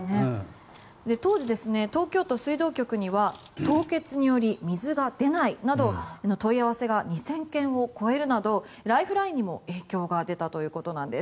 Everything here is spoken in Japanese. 当時、東京都水道局には凍結により水が出ないなど問い合わせが２０００件を超えるなどライフラインにも影響が出たということです。